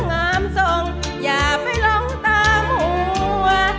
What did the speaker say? งามทรงอย่าไปลองตามัว